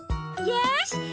よし！